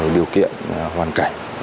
điều kiện hoàn cảnh